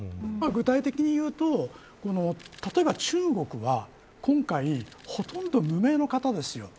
具体的に言うと、例えば中国は今回、ほとんど無名の方ですよ。